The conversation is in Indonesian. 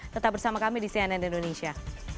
tetap bersama kami di cnn indonesia